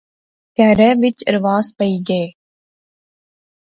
کہرے وچ رواس پئی گے